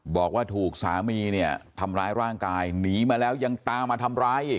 บอกว่าถูกสามีเนี่ยทำร้ายร่างกายหนีมาแล้วยังตามมาทำร้ายอีก